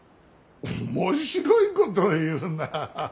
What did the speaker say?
面白いことを言うなあ。